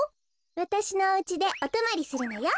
わたしのおうちでおとまりするのよ。